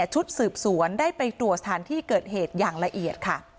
ชุดสืบสวนได้ไปตรวจสถานที่เกิดเหตุอย่างละเอียดค่ะ